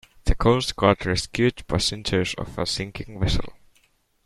The coast guard rescued passengers of a sinking vessel.